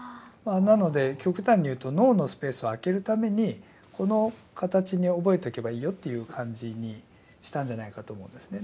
なので極端にいうと脳のスペースを空けるためにこの形に覚えとけばいいよっていう感じにしたんじゃないかと思うんですね。